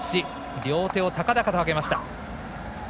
両手を高々と上げました。